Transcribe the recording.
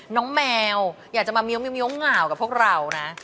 น้องแมวอยากจะมาเมียวเหงากับพวกเรานะ